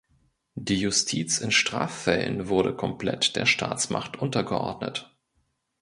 Die Justiz in Straffällen wurde komplett der Staatsmacht untergeordnet.